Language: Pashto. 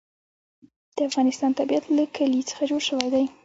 د افغانستان طبیعت له کلي څخه جوړ شوی دی.